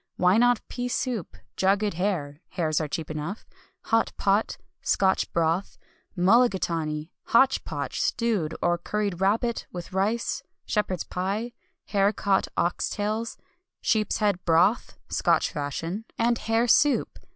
Why not pea soup, jugged hare (hares are cheap enough), hot pot, Scotch broth, mullagatawny, hotch potch, stewed or curried rabbit, with rice, shepherd's pie, haricot ox tails, sheep's head broth (Scotch fashion), and hare soup!